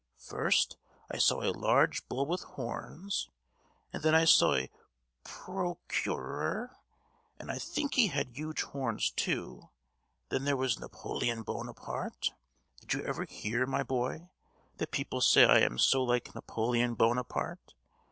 First, I saw a large bull with horns; and then I saw a pro—curor, and I think he had huge horns too. Then there was Napoleon Buonaparte. Did you ever hear, my boy, that people say I am so like Napoleon Buonaparte?